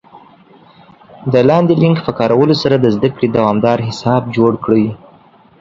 د لاندې لینک په کارولو سره د زده کړې دوامدار حساب جوړ کړئ